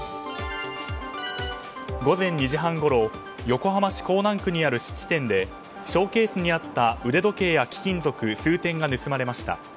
午前２時半ごろ横浜市港南区にある質店でショーケースにあった腕時計や貴金属、数点が盗まれました。